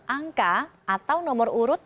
angka atau nomor urut